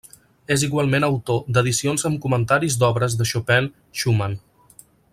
És igualment autor d'edicions amb comentaris d'obres de Chopin, Schumann.